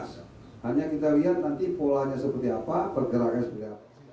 hanya kita lihat nanti polanya seperti apa pergerakan seperti apa